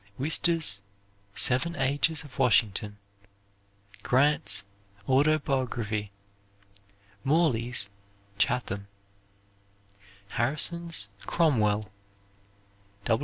Wister's, "Seven Ages of Washington." Grant's Autobiography. Morley's, "Chatham." Harrison's, "Cromwell."